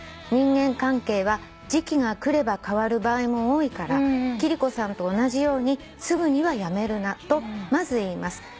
「人間関係は時期がくれば変わる場合も多いから貴理子さんと同じようにすぐには辞めるなとまず言います」